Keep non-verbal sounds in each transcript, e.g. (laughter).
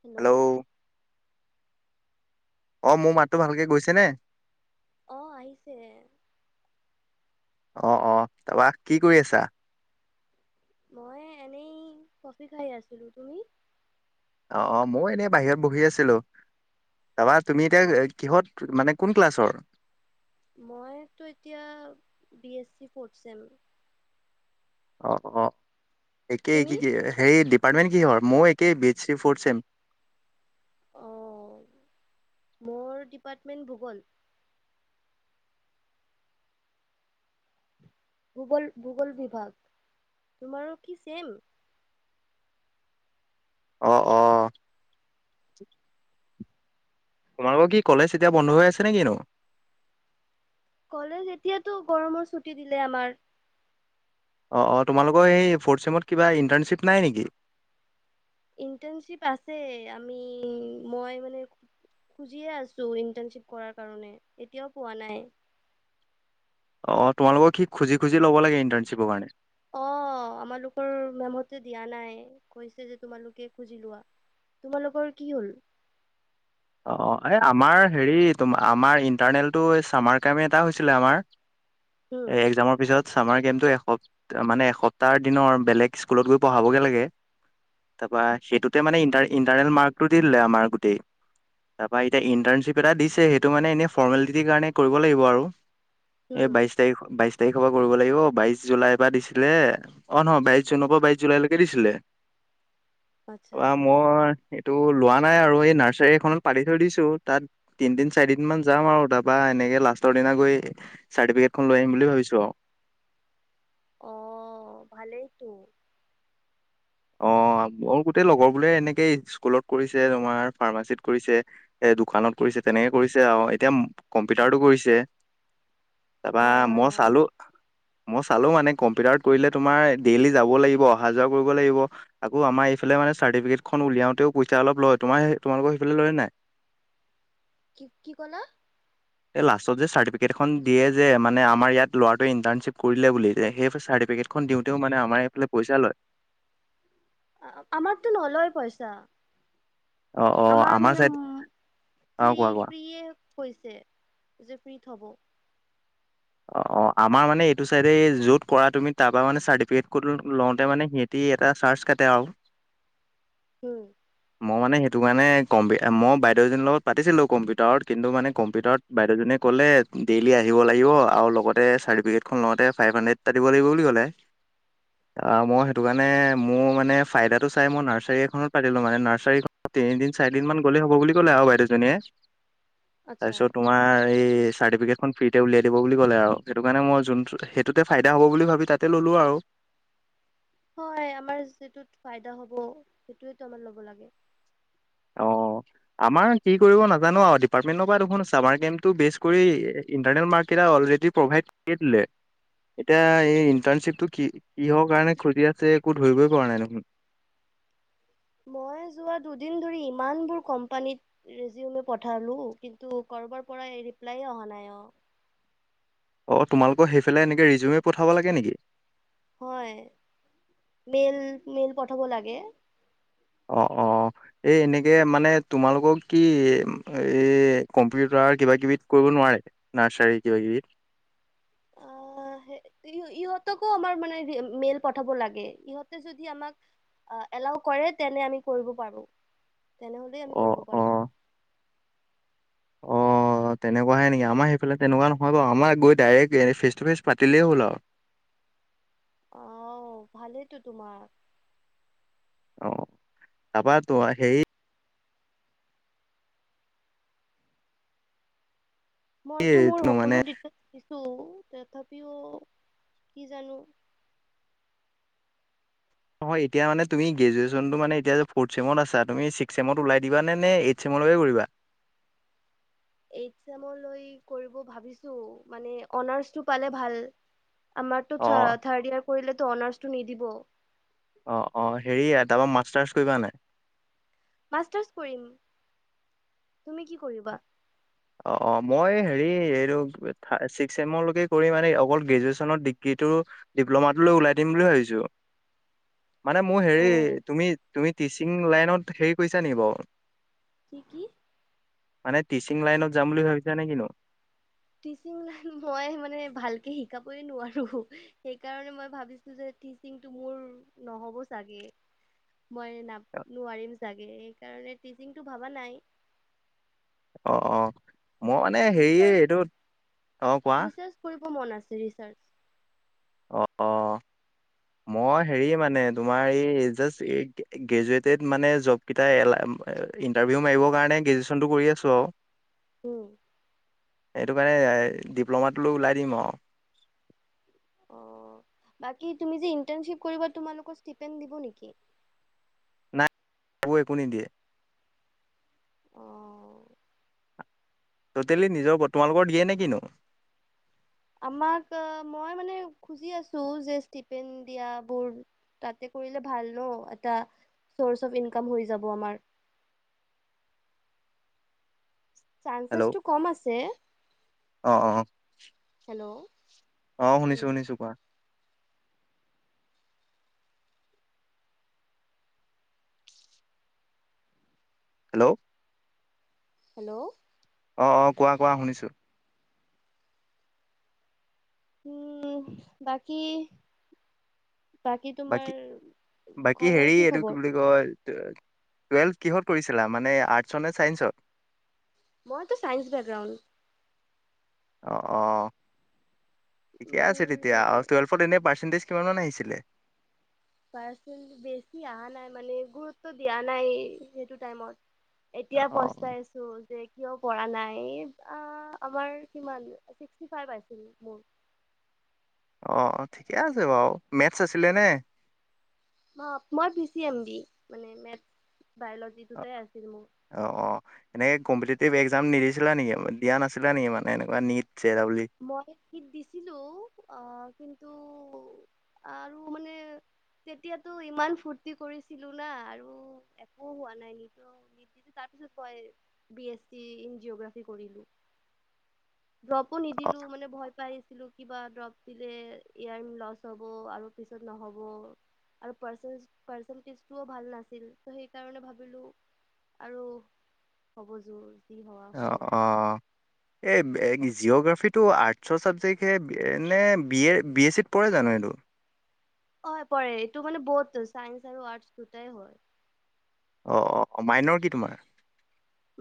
Hello. অ মোৰ মাততো ভালকে গৈছে নে‌? অহ আহিছে। অ অ তাৰপৰা কি কৰি আছা‌? মই এনেই কফি খাই আছিলো তুমি? অ অ মই এনেই বাহিৰত বহি আছিলো তাপা তুমি এতিয়া কিহত? মানে কোন ক্লাছৰ? মইতো এতিয়া বি এছি ফথ চেম। অ অ একেই তুমি কি হেৰি ডিপাৰ্টমেণ্ট কি হয় মই আকেই B S C fourth sem. অঁ মোৰ ডিপাৰ্টমেণ্ট ভূগোল। ভূগোল ভূগোল বিভাগ তোমাৰো কি চেম। আহ আহ। তোমালোকৰ কি কলেজ এতিয়া বন্ধ হৈ আছে নে কিনো? কলেজ এতিয়াতো গৰমৰ ছুটি দিলে আমাৰ। অঁ অঁ তোমালোকৰ এই ফৰ্থ চেমত কিবা ইণ্টাৰ্ণশ্বিপ নাই নেকি? ইণ্টাৰশিপ আছে আমি মই মানে। খুজিয়ে আছো ইন্টাৰ্নশ্বিপ কৰাৰ কাৰণে এতিয়াও পোৱা নাই। অ তোমালোকক সি খুজি খুজি লব লাগে ইণ্টাৰ্শিপৰ কাৰণে। অ আমালোকৰ মেমতে দিয়া নাই কৈছে যে তোমালোকে খুজি লোৱা। তোমালোকৰ কি হল‌? অ এই আমাৰ হেৰি আমাৰ ইণ্টাৰনেলটো চামাৰ কামে এটা হৈছিলে আমাৰ। উম, এ এক্জামৰ পিছত। চামাৰ গেমটো এস মানে এসপ্তাহ দিনৰ বেলেগ স্কুলত গৈ পঢ়াবগে লাগে। তাৰপৰা আচ্ছা সেইটোতে মানে ইণ্টাৰনেল মাৰ্কটো দি দিলে আমাৰ গোটেই। তাৰপা এতিয়া ইণ্টাৰ্ণশ্বিপ এটা দিছে। সেইটো মানে এনে ফৰ্মেলিটিৰ কাৰণে কৰিব লাগিব আৰু। উম, এই বাইশ তাৰিখ বাইশ। তাৰিখৰ পৰা কৰিব লাগিব। বাইশ জুলাইৰ পৰা দিছিলে। অ নহয় বাইশ জুনৰ পৰা বাইশ জুলাইলৈকে দিছিলে। (inaudible) আচ্ছা। তপৰা মই এইটো লোৱা নাই আৰু এই নাৰ্চ। সেইখনত পাতি থৈ দিছো। তাত তিন দিন চাৰি দিন মান যাম আৰু তাপা এনেকে লাষ্টৰ দিনা গৈ। চাৰ্টিফিকেটখন লৈ আহিম বুলি ভাবিছো আৰু। আহ ভালেইতো অ অ মোৰ গোটেই লগৰ বোলে এনেকে স্কুলত কৰিছে তোমাৰ ফাৰ্মাচিতত কৰিছে এ দোকানত কৰিছে। তেনেকে কৰিছে আৰু এতিয়া কম্পিউটাৰ টো কৰিছে। (inaudible) তাৰপৰা হয়, হয়, মই হয়, চালো। হয়। মই চালো মানে কম্পিউটাৰত কৰিলে তোমাৰ ডেইলি যাব লাগিব। অহা যোৱা কৰিব লাগিব। আক আমাৰ এইফাল মানে চাৰ্টিফিকেটখন উলিয়াওতেও পইচা অলপ লয়। তোমাৰ তোমালোকৰ সেইফালে লয় নাই? (inaudible) কি ক'লা? খন দিয়ে যে মানে আমাৰ ইয়াত ল'ৰাোৱ ইণ্টাৰ্শ্বিপ কৰিলে বুলি যে সেই চাৰ্টিফিকেটখন দিওঁতে মানে। পইচা লয়। আমাৰতো নলয় পইচা। অ অ আমাৰ মানে চাইড উ অ প্ৰ কোৱা কোৱা প্ৰিয়। হৈছে যে ফ্ৰীত হ'ব। অ অ আমাৰ মানে এইটো চাইডে যত কৰা তুমি তাৰ পৰা মানে চাৰ্টিফিকেট কত লওঁতে মানে সিহতি। কি এটা চাৰ্চ কাটতে আৰু। উম মই মানে সেইটো কাৰণে কম্পিউটাৰ মই বাইদেউজনীৰ লগত পাতিছিলোঁ কম্পিউটাৰত। কিন্তু মানে কম্পিউটাৰত বাইদেউজনীয়ে। ক'লে ডেইলি আহিব লাগিব। আৰু লগতে চাৰ্টিফিকেটখন লগতে ফাইভ হাণ্ড্ৰেড এটা দিব লাগিব বুলি ক'লে। আহ মই সেইটো কাৰণে মোৰ মানে ফাইদাটো চাই মই নাৰ্চাৰী এখনত পাতিলো মানে। নাৰ্চাৰীখন। তিনিদিন চাৰিদিন মান গ'লেই হ'ব বুলি ক'লে আৰু বাইদেউজনীয়ে। আচ্ছা। তাৰপিছত তোমাৰ এই চাৰ্টিফিকেটখন ফ্ৰিতে ওলিয়াই দিব। বুলি ক'লে আৰু সেইটো কাৰণে মই যোন সেইটোতে ফাইদা হ'ব বুলি ভাবি তাতে ল'লো আৰু। হয় আমাৰ যিটোত ফাইদা হ'ব সেইটোৱটো আমাৰ ল'ব লাগে। অ' উ (inaudible) আমাৰ কি কৰিব নাজানো আৰু ডিপাৰ্টমেণ্টৰ পৰা দেখোন চাবাৰ গেমটো বেচ কৰি ইণ্টাৰনেট মাৰ্কটাল প্ৰভাইত কৰি দিলে। (inaudible) এতিয়া এই হুম। ইন্টাৰ্ণশ্বিপ টো কি কিহৰ কাৰণে খুজি আছে একো ধৰিবই পৰা নাই দেখোন। মই যোৱা দুদিন ধৰি ইমানবোৰ কোম্পানীত ৰেজিওনো পঠালোঁ। কিন্তু বাৰ পৰা ৰিপ্লাই অহা নাই অ অ তোমালোকৰ সেইফালে এনেকে ৰিজিউমে পঠাব লাগে নেকি? হয় মেইল মেইল পঠাব লাগে। অ অ এই এনেকে মানে তোমালোকক কি এই কম্পিউটাৰ কিবা কিবি কৰিব নোৱাৰে নাৰ্চাৰী কিবা কিবি? অ ইহঁতকো আমাৰ মানে মেল পঠাব লাগে। ইহঁতে যদি আমাক এলাও কৰে তেনে আমি কৰিব পাৰো। তেনেহলে আমি অ' কৰিব পাৰো। অ' (inaudible) অ তেনেকুৱাহে নেকি আমাৰ সেইফালে তেনেকুৱা নহয় বাও। আমাৰ গৈ ডাইৰেক্ট ফেচটুফেচ পাতিলেই হ'ল আৰু। অহ ভালেইতো তোমাৰ অ যাবা তো সেই মইতো মোৰ এইটো মানে সকলো দ্বিতেলছ দিছো তথাপিও কি জানো হয় এতিয়া মানে তুমি গ্ৰেজুৱেচনটো মানে এতিয়া ফৰ্থ ছেমত আছা তুমি ছিক্স ছেমত ওলাই দিবা নে নে এইট ছেমত লকে কৰিবা (inaudible) এইট ছেমলৈ কৰিব ভাবিছো মানে অনাৰ্চটো পালে ভাল আমাৰতো অ থাৰ্ড ইয়াৰ কৰিলেতো অনাৰ্ছটো নি দিব অ অ হেৰি তাৰপা মাষ্টাৰ্চ কৰিবা নাই মাষ্টাৰ্চ কৰিম তুমি কি কৰিবা? অ অ মই হেৰি এইটো ছিক্স চেমলৈকে কৰি মানে অকল গ্ৰেজুৱেশ্যনৰ ডিগ্ৰী টো ডিপ্ল'মাটো লৈ ওলাই দিম বুলি ভাবিছো (unintelligible) মানে মোৰ হেৰি অ তুমি তুমি টিচিং লাইনত হেৰি কৰিছা নেকি বাৰু কি কি মানে টিচিং লাইনত যাম বুলি ভাবিছা নে কিনো টিচিং লাইন মই মানে ভালকে শিকাবই নোৱাৰো সেইকাৰণে মই ভাবিছিলো যে টিচিংটো মোৰ নহ'ব চাগে মই না নোৱাৰিম চাগে সেইকাৰণে টিচিংটো ভবা নাই অ অ মই মানে হেৰি ৰিচাৰ্চ এইটো অ কোৱা ৰিচাৰ্চ কৰিব মন আছে ৰিচাৰ্জ অ অ (unintelligible) মই হেৰি মানে তোমাৰ এই জাষ্ট এই গ্ৰেজুৱেটেড মানে জব কেইটা এলাহ ইণ্টাৰভিউ মাৰিবৰ কাৰণে গ্ৰেজুৱেশচনটো কৰি আছো আও উম সেইটো কাৰণে ডিপ্ল'মাটোলৈ ওলাই দিম আও অ বাকী তুমি যে ইণ্টাৰ্নশ্বিপ কৰিবা তোমালোকৰ ষ্টিপেণ্ট দিব নেকি নাই সেইবোৰ একো নিদিয়ে অ টটেলি নিজৰ তোমালোকৰ দিয়ে নে কিনো। আমাক মই মানে খুজি আছো যে ষ্টিপেন দিয়া বোৰ তাতে কৰিলে ভাল ন এটা চৰ্চ অফ ইনকাম হৈ যাব আমাৰ। হেল্ল' চানসেছটো কম আছে। অ অ হেল্ল', অ, শুনিছো - উম, শুনিছো কোৱা। হেল্ল', হেল্ল', অ', অ', কোৱা - কোৱা শুনিছো। উম, বাকী বাকী তোমাৰ ঘৰৰ কি খবৰ? টুৱেলভ কিহত কৰিছিলা মানে আৰ্টছৰ নে চাইন্সত। মইতো চাইন্স বেকগ্ৰাউণ্ড। অহ', অহ', ঠিকে আছে মোৰ তেতিয়া মানে আৰু টুৱেলভত এনে পাৰ্চেন্টেজ কিমান মান আহিছিলে। পাৰ্চ বেছি অহা নাই মানে গুৰুত্ব দিয়া নাই সেইটো টাইমত এতিয়া অ পষ্টাইছো যে কিয় কৰা নাই আহ, আমাৰ কিমান ছিক্সটি ফাইভ আছিল মোৰ। (inaudible) অ, ঠিকে আছে বাৰু মেথছ আছিলে নে। মই পি চি এম বি মানে। বায়লজি অ', দুটাই আছিল মোৰ। অ', অ', এনে। কম্পিটিভ একজাম নিদিছিলা নেকি দিয়া নাছিল নে মানে এনেকুৱা নিট জে ডাবল ই মই নিত দিছিলো আহ, কিন্তু আৰু মানে তেতিয়াতো ইমান ফূৰ্তি কৰিছিলো না আৰু একো হোৱা নাই নিত হেইটো পায় বি ইচ চি জিগ্ৰফি কৰিলে চব অ নিদিলো মানে ভয় পাইছ ছিলো কিবা ড্ৰপ দিলে এ আই লচ হ'ব আৰু পিছত নহ'ব। আৰু পাৰচেণ্ট - পাৰ্চেন্টেজ টো ও ভাল নাছিল ত সেইকাৰণে ভাবিলো আৰু হ'ব জোৰ যি হোৱা হ'ব অ', অ', এই জিঅ'গ্ৰাফিটো আৰ্টছৰ চাবজেক্টহে নে বি এ বি এ চিত পৰে জানো এইটো। হয় পৰে এইটো মানে বহুত চাইন্স আৰু আৰ্টচ দুটাই হয়। অ', অ', অ', মাইনৰ কি তোমাৰ?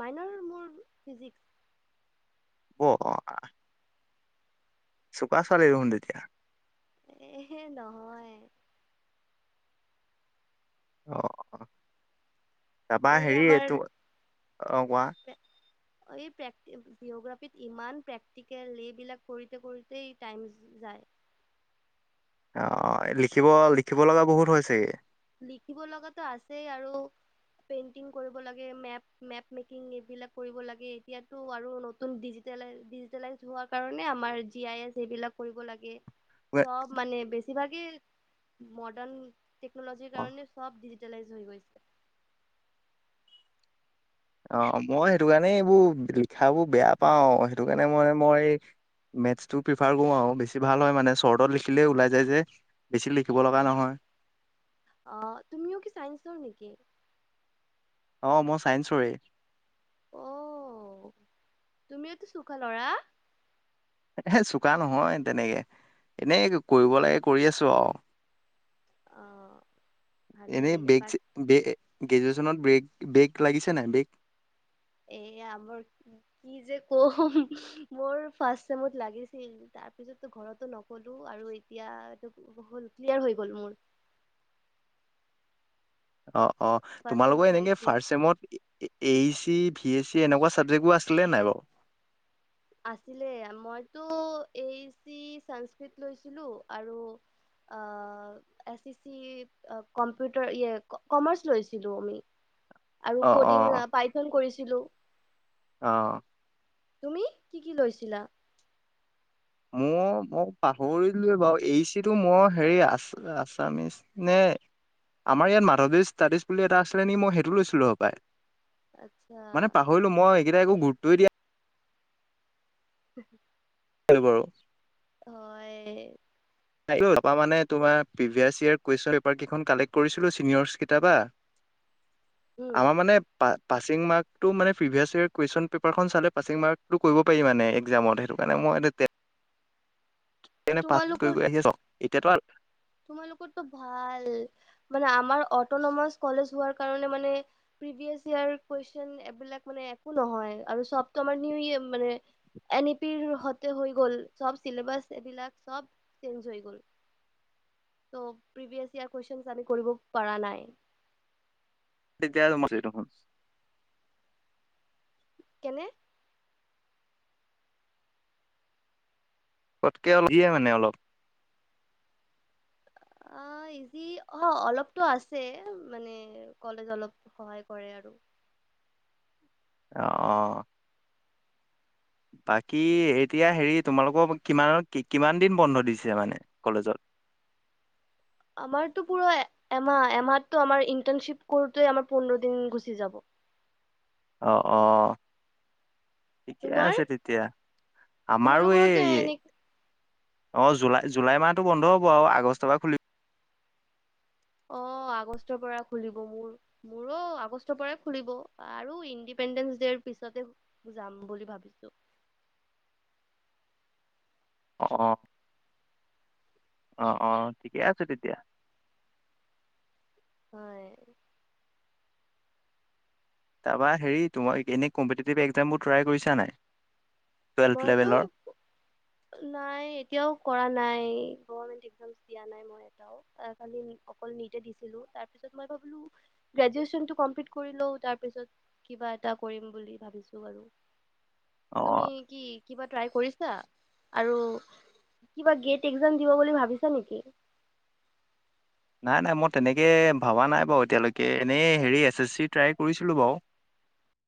মাইনৰ মোৰ ফিজিক্স। অ', চুকা ছোৱালী দেহোন তেতিয়া। এহে নহয়। অ', অ', যাবা এই হেৰি আমাৰ এইটো অ, কোৱা? এই প্ৰেক্টি জিঅগ্ৰাফিত ইমান প্ৰেক্টিকেল এইবিলাক কৰোতে-কৰোতেই টাইম যায়। (inaudible) অ, লিখিব - লিখিব লগা বহুত হৈছেগে। লিখিব লগাতো আছেই আৰু পেইণ্টিং কৰিব লাগে মেপ-মেপ মেকিং এইবিলাক কৰিব লাগে। এতিয়াটো আৰু নতুন ডিজিটেলাইছ হোৱাৰ কাৰণে আমাৰ জি আই এছ এইবিলাক কৰিব লাগে। চব মানে বেছিভাগেই মডাৰ্ণ টেকনলজিৰ অ কাৰণে চব ইউটিলাইজ হৈ গৈছে। অ, মই সেইটো কাৰণে এইবোৰ লিখাবোৰ বেয়া পাও সেইটো কাৰণে মানে মই মেথছটো প্ৰিফাৰ কৰো আৰু বেছি ভাল হয় মানে চ্বৰ্টত লিখিলেই ওলাই যায় যে। বেছি লিখিব লগা নহয় অহ, তুমিও কি চাইন্ঞ্চৰ নেকি? অ, মই চাইন্সৰেই। অ তুমিওটো চুখা লৰা। এ চোকা নহয় তেনেকে। এনেই কৰিব লাগে কৰি আছো আও। অ' এনে ভালেই বেক বাট চেক বে গ্ৰেজুৱেচনত ব্ৰেক ব্ৰেক লাগিছে নাই ব্ৰেক? এ আমাৰ কি যে কম মোৰ ফাৰ্ষ্ট ছেমত লাগিছিল। তাৰপিছততো ঘৰতো নকলো আৰু এতিয়া এইটো হল ক্লিয়াৰ হৈ গ'ল মোৰ। (inaudible) অ-অ ফাৰ্ষ্ট তোমালোকৰ চেমত এনেকে লাগিছিল ফাৰ্ষ্ট চেমত A A H V S C এনেকুৱা চাবজেক্টবোৰ আছিলে নাই বাৰু? আছিলে মইতো এইচি সংস্কৃত লৈছিলো আৰু আ A C C computer e commerce লৈছিলোঁ আমি। আৰু অঁ কডিং পাইথন কৰিছিলো। অ। তুমি কি কি লৈছিলা? মই, মই পাহৰিলোৱে বাৰু। এইচি টো মই হেৰি আ আছামিচ নে আমাৰ ইয়াত মাধৱী ষ্টাডিজ বুলি এটা আছিলে নেকি, মই সেইটো লৈছিলো সপাই। আচ্ছা মানে পাহৰিলো মই। এইকেইটা একো গুৰুত্বই দিয়া (unintelligible) (unintelligible) বাৰু হয়। তাপা মানে তোমাৰ প্ৰিভিয়াচ ইয়ৰ কোৱেইছন পেপাৰ কেখন কালেক কৰিছিলো চিনিয়ৰচ কিটা পা। উম আমাৰ মানে পা পাছিং মাৰ্কটো মানে প্ৰিভিয়াছ য়েৰৰ কোৱেছন পেপাৰখন চালে পাছিং মাৰ্কটো কৰিব পাৰি মানে এক্সামত সেইটো। মানে মই তে এনে পাঠ কৰি তোমালোকৰ গৈ আহি (unintelligible) তোমালোকৰতো ভাল। মানে আমাৰ অটনমাছ কলেজ হোৱাৰ কাৰণে মানে প্ৰিভিয়াচ ইয়াৰ কোৱেচন এইবিলাক মানে একো নহয় আৰু চবতো আমাৰ নিউয়ে মানে এন ই পিৰ হতে হৈ গল চব চিলেবাছ এইবিলাক চব চেঞ্জ হৈ গল। ত' প্ৰিভিয়ছ ইয়াৰ কুৱেইছন আমি কৰিব পাৰা নাই। (unintelligible) কেনে? কটকে অল দিয়ে মানে অলপ। অ। অ ইজি অ অলপতো আছে। মানে কলেজ অলপ সহায় কৰে আৰু। (inaudible) আহ অ। বাকী এতিয়া হেৰি তোমালোকক কিমান কিমান দিন বন্ধ দিছে মানে কলেজত? (inaudible) আমাৰতো পুৰো এমাহ এমাহো আমাৰ ইণ্টাৰ্নচিপ কৰোতে আমাৰ পোন্ধৰ দিন গুচি যাব। অ, অ ঠিকে তোমাৰ আছে তেতিয়া। আমাৰো তোমালোকৰতো এই এনে অ, জুলাই জুলাই মাহটো বন্ধ হ'ব আৰু। আগষ্ট পৰা খুলি অ, আগষ্টৰ পৰা খুলিব। মোৰ মোৰো আগষ্টৰ পৰাই খুলিব আৰু ইণ্ডিপ পেনডেঞ্চ ডেৰ পিছতে যাম বুলি ভাবিছো। অ। অ-অ, ঠিকে আছে তেতিয়া। হয়। তাৰপা হেৰি তোমাক এনে কম্পিটিটিভ এক্জামবোৰ ট্ৰাই কৰিছা নাই? টুৱেল্ভ মইতো, লেভেলৰ নাই এতিয়াও কৰা নাই। গভৰ্ণমেণ্ট এসমছ দিয়া নাই মই এটাও অ খালী অকল নীয় এ দিছিলো তাৰপিছ মই ভোবিলো গ্ৰেজুৱেচনটো কমপ্লিট কৰিলও তাৰপিছত কিবা এটা কৰিম বুলি ভাবিছো বাৰু অ তুমি কি কিবা ট্ৰাই কৰিছা আৰু কিবা গেট এক্জাম দিব বুলি ভাবিছা নেকি নাই নাই মই তেনেকে ভবা নাই বাৰু এতিয়ালৈকে এনেই হেৰি এছ এছ চি ট্ৰাই কৰিছিলোঁ বাৰু (inaudible)